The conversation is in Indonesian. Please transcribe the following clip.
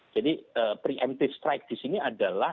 jadi preemptive strike disini adalah